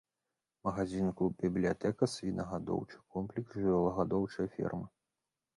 Магазін, клуб, бібліятэка, свінагадоўчы комплекс, жывёлагадоўчая ферма.